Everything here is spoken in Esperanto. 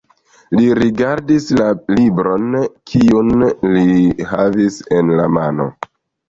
Li rigardis la libron, kiun li havis en la mano.